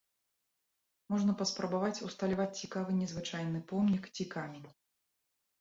Можна паспрабаваць усталяваць цікавы незвычайны помнік ці камень.